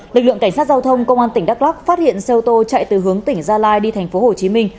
lực lượng cảnh sát giao thông công an tỉnh đắk lắc phát hiện xe ô tô chạy từ hướng tỉnh gia lai đi thành phố hồ chí minh